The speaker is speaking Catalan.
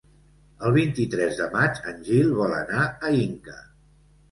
El vint-i-tres de maig en Gil vol anar a Inca.